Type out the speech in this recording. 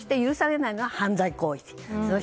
そして、許されないのは犯罪行為。